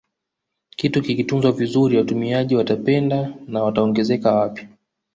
Kitu kikitunzwa vizuri watumiaji watapenda na wataongezeka wapya